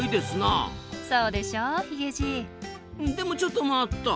でもちょっと待った。